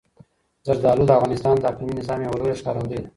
زردالو د افغانستان د اقلیمي نظام یوه لویه ښکارندوی ده.